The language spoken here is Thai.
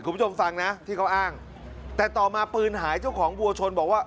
คุณผู้ชมฟังนะที่เขาอ้างแต่ต่อมาปืนหายเจ้าของวัวชนบอกว่า